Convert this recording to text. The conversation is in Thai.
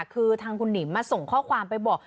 คือทางคุณหนิมส่งข้อความไปบอก